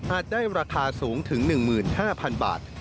ได้ราคาสูงถึง๑๕๐๐๐บาท